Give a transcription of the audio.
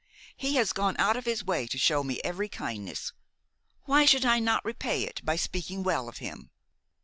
He has gone out of his way to show me every kindness. Why should I not repay it by speaking well of him?"